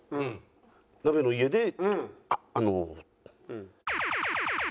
ナベの家であの。